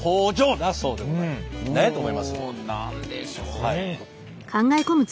お何でしょうね。